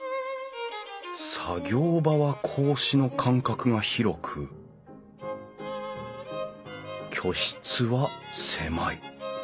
作業場は格子の間隔が広く居室は狭い。